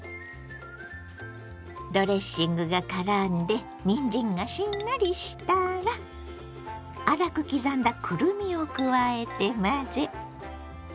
ドレッシングがからんでにんじんがしんなりしたら粗く刻んだくるみを加えて混ぜ。